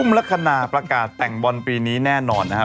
ลักษณะประกาศแต่งบอลปีนี้แน่นอนนะครับ